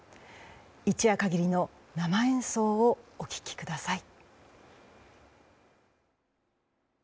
一夜限りの生演奏をお聴きください。